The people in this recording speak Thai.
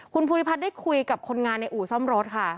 คุณภูริพัฒน์ได้คุยกับคนงานในอู่ซ่อมรถค่ะ